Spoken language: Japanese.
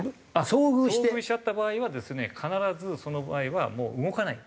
遭遇しちゃった場合はですね必ずその場合はもう動かない。